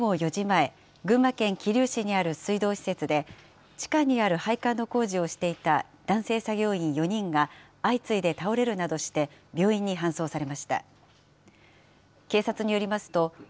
きのう午後４時前、群馬県桐生市にある水道施設で、地下にある配管の工事をしていた男性作業員４人が、相次いで倒れるなどして病院に搬送されました。